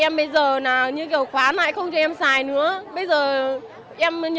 mà bây giờ đến tháng một đánh lương cũng vẫn trừ của bọn em